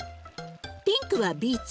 ピンクはビーツ。